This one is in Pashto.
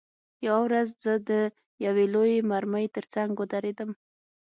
یوه ورځ زه د یوې لویې مرمۍ ترڅنګ ودرېدم